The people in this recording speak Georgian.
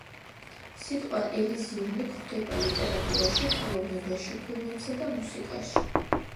სიტყვა ელიზიუმი გვხვდება ლიტერატურაში, ხელოვნებაში ფილმებსა და მუსიკაში.